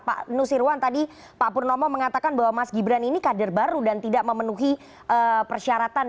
pak nusirwan tadi pak purnomo mengatakan bahwa mas gibran ini kader baru dan tidak memenuhi persyaratan